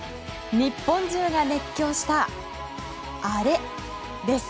日本中が熱狂したあれです。